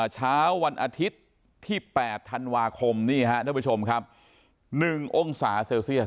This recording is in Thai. เช้าวันอาทิตย์ที่๘ธันวาคม๑องศาเซลเซียส